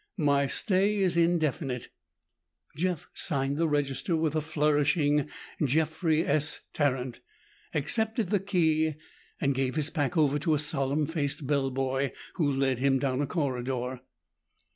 "My stay is indefinite." Jeff signed the register with a flourishing "Jeffrey S. Tarrant," accepted the key and gave his pack over to a solemn faced bellboy who led him down a corridor.